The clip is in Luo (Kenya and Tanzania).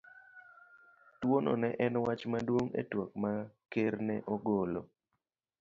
Tuwono ne en wach maduong ' e twak ma Ker ne ogolo